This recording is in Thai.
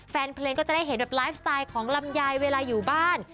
แฟนเพลงก็จะได้เห็นแบบไลฟ์สไตล์ของลำไยเวลาอยู่บ้าน